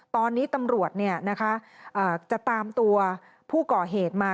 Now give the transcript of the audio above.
ตอนนี้ตำรวจเนี่ยนะคะจะตามตัวผู้เกาะเหตุมา